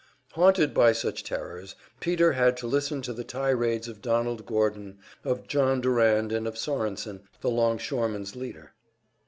Haunted by such terrors, Peter had to listen to the tirades of Donald Gordon, of John Durand, and of Sorensen, the longshoremen's leader.